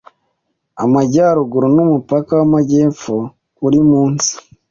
Amajyaruguru numupaka w’amajyepfo uri munsi